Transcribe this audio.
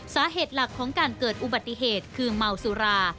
สาเหตุหลักของการเกิดอุบัติเหตุคือเมาสุรา